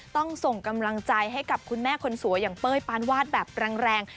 ส่งกำลังใจให้กับคุณแม่คนสวยอย่างเป้ยปานวาดแบบแรง